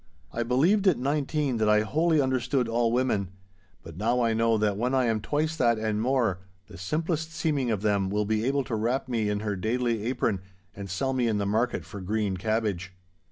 I believed at nineteen that I wholly understood all women. But now I know that when I am twice that and more, the simplest seeming of them will be able to wrap me in her daidly apron, and sell me in the market for green cabbage.